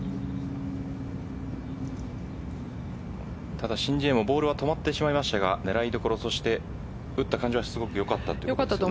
ただ申ジエもボールは止まってしまいましたが狙いどころ、そして打った感じはすごくよかったということですね。